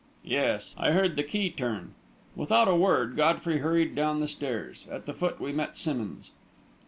"Yes I heard the key turn." Without a word, Godfrey hurried down the stairs. At the foot we met Simmonds.